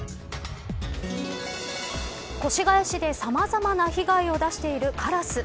越谷市でさまざまな被害を出しているカラス。